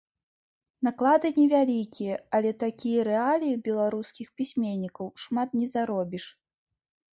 Наклады не вялікія, але такія рэаліі беларускіх пісьменнікаў, шмат не заробіш.